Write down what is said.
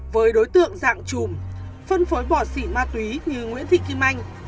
với đối tượng dạng chùm phân phối bỏ sỉ ma túy như nguyễn thị kim anh